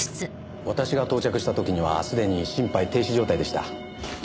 私が到着した時にはすでに心肺停止状態でした。